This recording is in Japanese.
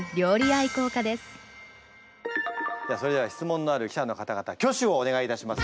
それでは質問のある記者の方々挙手をお願いいたします。